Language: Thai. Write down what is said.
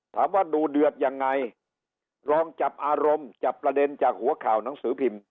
ถามว่าดูเดือดยังไงลองจับอารมณ์จับประเด็นจากหัวข่าวหนังสือพิมพ์